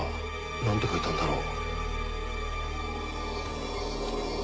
何て書いたんだろう？